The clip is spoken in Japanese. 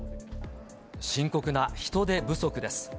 深刻な人手不足です。